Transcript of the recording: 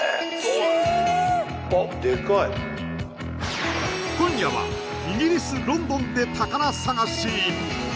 わあっ今夜はイギリス・ロンドンで宝探し